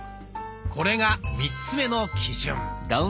これが３つ目の基準。